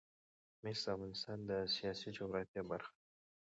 مس د افغانستان د سیاسي جغرافیه برخه ده.